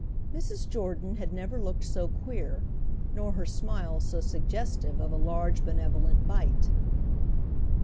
Mrs. Jordan had never looked so queer, nor her smile so suggestive of a large benevolent bite.